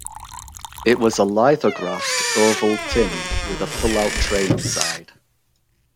It was a lithographed oval tin, with a pull-out tray inside.